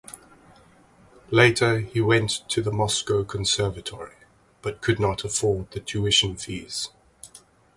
Later he went to the Moscow Conservatory but could not afford the tuition fees.